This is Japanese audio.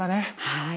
はい。